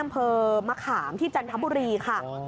แล้วมาขาบที่จันทัพบุรีค่ะ